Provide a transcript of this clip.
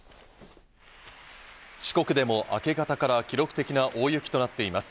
四国でも明け方から記録的な大雪となっています。